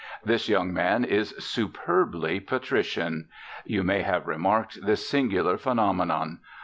This young man is superbly patrician. You may have remarked this singular phenomenon.